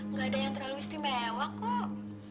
nggak ada yang terlalu istimewa kok